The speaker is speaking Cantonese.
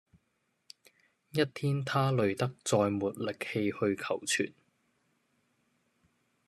一天他累得再沒力氣去求存